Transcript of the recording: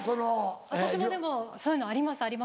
私もでもそういうのありますあります。